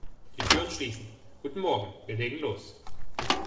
Die Türen schließen - Guten morgen, wir legen los!